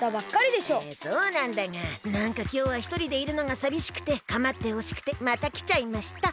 そうなんだがなんかきょうはひとりでいるのがさびしくてかまってほしくてまたきちゃいました。